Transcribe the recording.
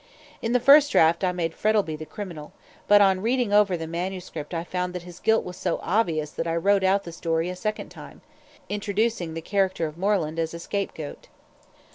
In the first draft I made Frettlby the criminal, but on reading over the M.S. I found that his guilt was so obvious that I wrote out the story for a second time, introducing the character of Moreland as a scape goat.